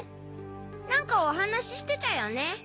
何かお話してたよね。